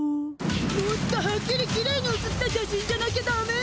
もっとはっきりキレイに写った写真じゃなきゃダメよ！